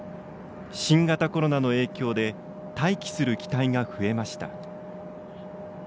新型コロナの影響で待機する機体が増えました。